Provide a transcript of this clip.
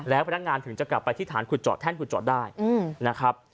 แล้วพนักงานถึงจะกลับไปที่ฐานขุดจอดแท่นขุดจอดได้นะครับ